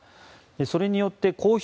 それによって公表